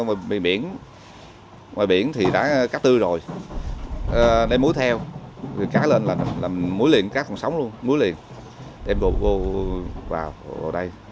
khi mà mình muối ngoài biển ngoài biển thì đã cắt tư rồi đem muối theo cá lên là mình muối liền cá còn sống luôn muối liền đem vào đây